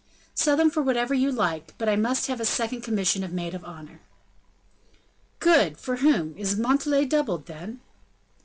"Sell them for whatever you like, but I must have a second commission of maid of honor." "Good! for whom? Is Montalais doubled, then?"